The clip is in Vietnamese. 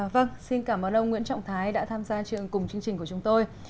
vâng xin cảm ơn ông nguyễn trọng thái đã tham gia chương cùng chương trình của chúng tôi